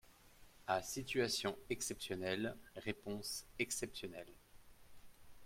À situation exceptionnelle, réponses exceptionnelles.